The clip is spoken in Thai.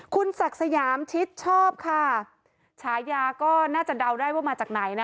คุณศักดิ์สยามชิดชอบค่ะฉายาก็น่าจะเดาได้ว่ามาจากไหนนะ